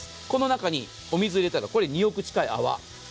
この中にお水入れたら、これ、２億近い泡。